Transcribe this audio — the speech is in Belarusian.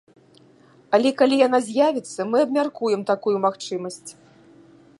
Але калі яна з'явіцца, мы абмяркуем такую магчымасць.